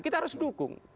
kita harus dukung